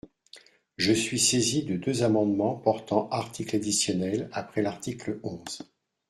Je suis saisi de deux amendements portant articles additionnels après l’article onze.